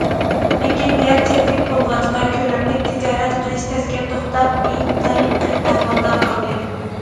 لېكىن يەر چەكلىك بولغاچقا، كۆلەملىك تىجارەت قىلىش تەسكە توختاپ، ئىنتايىن قىيىن ئەھۋالدا قالدى.